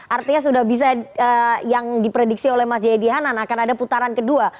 artinya sudah bisa yang diprediksi oleh mas jayadi hanan akan ada putaran kedua